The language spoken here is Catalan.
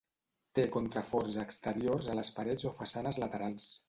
Té contraforts exteriors a les parets o façanes laterals.